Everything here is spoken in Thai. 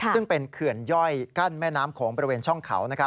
ซึ่งเป็นเขื่อนย่อยกั้นแม่น้ำโขงบริเวณช่องเขา